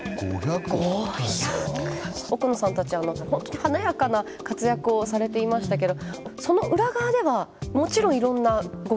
奥野さんたち本当に華やかな活躍をされていましたけどその裏側ではもちろんいろんなご苦労もありました。